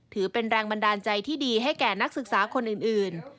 ถือเป็นแรงบันดาลใจที่ดีให้แก่นักศึกษาคนอื่น